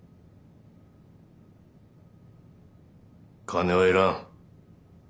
金はいらん。